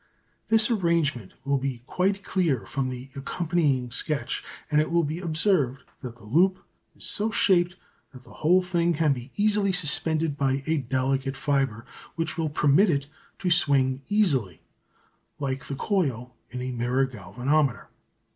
This arrangement will be quite clear from the accompanying sketch, and it will be observed that the loop is so shaped that the whole thing can be easily suspended by a delicate fibre which will permit it to swing easily, like the coil in a mirror galvanometer.